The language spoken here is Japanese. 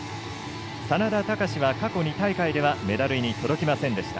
眞田卓は過去２大会ではメダルに届きませんでした。